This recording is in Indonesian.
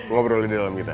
ngobrol di dalam kita